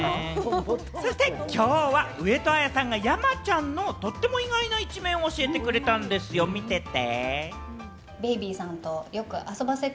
そしてきょうは上戸彩さんが山ちゃんのとっても意外な一面を教えてくれたんですよ、見てて。